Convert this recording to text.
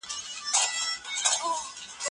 هغه وویل چې حقایق باید پټ پاتې نشي.